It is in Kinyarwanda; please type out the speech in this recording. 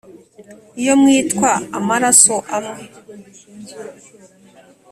iyo mwitwa amaraso amwe ?